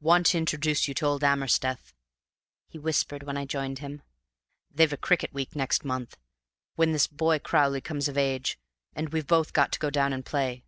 "Want to introduce you to old Amersteth," he whispered, when I joined him. "They've a cricket week next month, when this boy Crowley comes of age, and we've both got to go down and play."